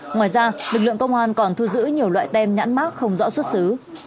ngoài ra lực lượng công an còn thu giữ nhiều loại tem nhãn mát không rõ xuất xứ